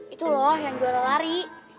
itu loh yang juara lari